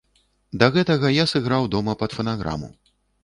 Да гэтага я сыграў дома пад фанаграму.